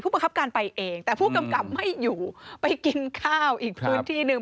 ประคับการไปเองแต่ผู้กำกับไม่อยู่ไปกินข้าวอีกพื้นที่หนึ่ง